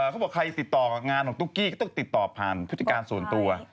เขาบอกใครติดต่อกับงานของตุ๊กกี้ก็ต้องติดต่อผ่านพฤติการส่วนตัว